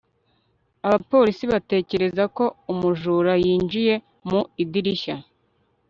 abapolisi batekereza ko umujura yinjiye mu idirishya